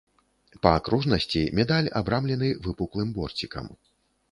Па акружнасці медаль абрамлены выпуклым борцікам.